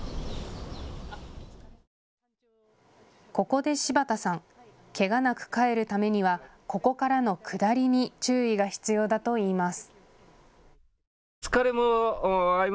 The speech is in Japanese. ここで芝田さん、けがなく帰るためにはここからの下りに注意が必要だといいます。